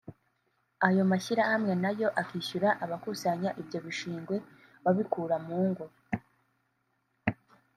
ayo mashyirahamwe nayo akishyura abakusanya ibyo bishingwe babikura mu ngo